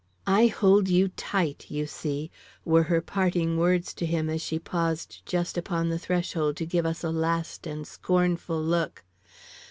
"I hold you tight, you see," were her parting words to him as she paused just upon the threshold to give us a last and scornful look.